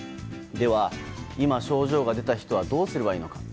では、今、症状が出た人はどうすればいいのか。